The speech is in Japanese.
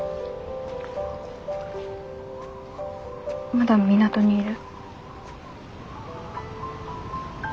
まだ港にいる？